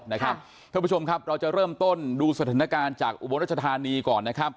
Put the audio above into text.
ท่านผู้ชมครับเราจะเริ่มต้นดูสถานการณ์จากอุบลรัชธานีก่อนนะครับ